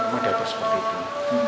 memudahkan seperti itu